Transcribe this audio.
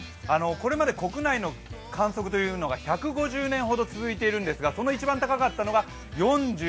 これまで国内の観測というのが１５０年ほど続いているんですがその一番高かったのが４１．１度。